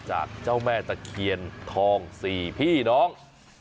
จากเจ้าแม่ตะเคียนทอง๔พี่น้อง